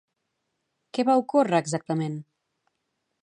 Què va ocórrer, exactament?